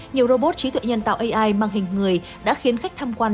nhiều robot trí tuệ nhân tạo ai mang hình người đã khiến khách tham quan